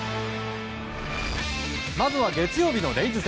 まずは月曜日のレイズ戦。